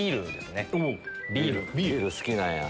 ビール好きなんや。